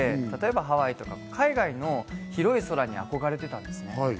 例えばハワイとか海外とかの広い空に憧れていたんですね。